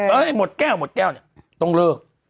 เฮ้ยหมดแก้วต้องเลิก